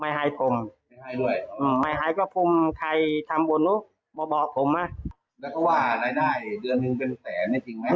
ไม่หายด้วยอืมไม่หายก็ภูมิใครทำวนุษย์มาบอกผมอ่ะแล้วก็ว่ารายได้เดือนหนึ่งเป็นแสน